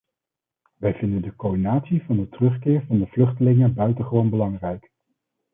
Wij vinden de coördinatie van de terugkeer van de vluchtelingen buitengewoon belangrijk.